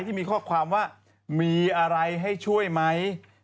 ที่มีข้อความว่ามีอะไรให้ช่วยไหม